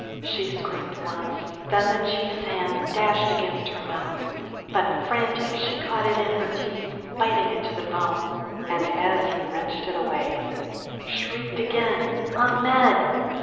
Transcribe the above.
she screamed once, then the chief's hand dashed against her mouth, but, frantic, she caught it in her teeth, biting it to the bone, and as he wrenched it away, shrieked again, "Ahmed!